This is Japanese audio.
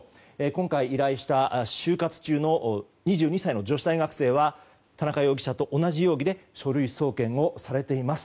今回依頼した就活中の２２歳の女子大学生は田中容疑者と同じ容疑で書類送検をされています。